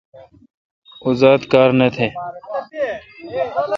اوزات کار نہ تھ۔